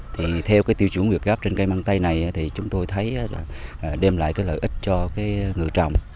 tiêu chuẩn việt gáp trên cây măng tây này chúng tôi thấy đem lại lợi ích cho ngựa trồng